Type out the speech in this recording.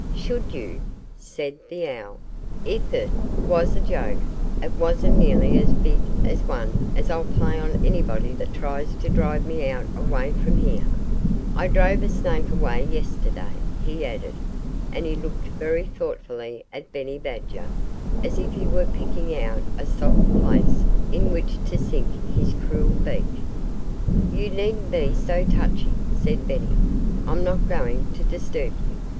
"Should you?" said the owl. "If it was a joke, it wasn't nearly as big a one as I'll play on anybody that tries to drive me away from here. ... I drove a snake away yesterday," he added. And he looked very thoughtfully at Benny Badger, as if he were picking out a soft place in which to sink his cruel beak. "You needn't be so touchy," said Benny. "I'm not going to disturb you.